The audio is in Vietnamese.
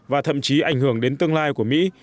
và thậm chí ảnh hưởng đến tương lai của mỹ